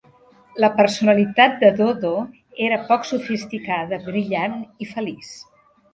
La personalitat de Dodo era poc sofisticada, brillant i feliç.